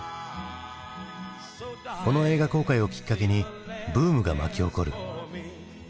この映画公開をきっかけにブームが巻き起こる。